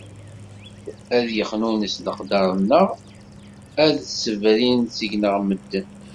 Ad yexnunes leqder-nneɣ, ad d-sberrin seg-neɣ medden.